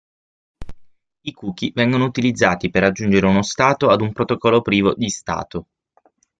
I cookie vengono utilizzati per aggiungere uno stato ad un protocollo privo di stato.